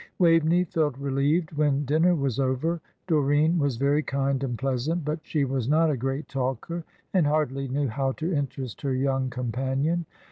Waveney felt relieved when dinner was over. Doreen was very kind and pleasant, but she was not a great talker, and hardly knew how to interest her young companion.